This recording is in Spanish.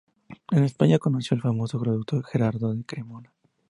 En España, conoció al famoso traductor Gerardo de Cremona.